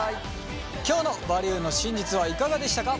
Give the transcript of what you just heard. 今日の「バリューの真実」はいかがでしたか？